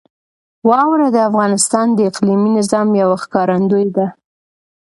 واوره د افغانستان د اقلیمي نظام یوه ښکارندوی ده.